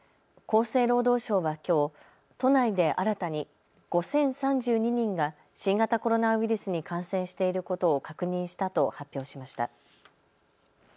厚生労働省はきょう、都内で新たに５０３２人が新型コロナウイルスに感染していることを確認したと発表しました。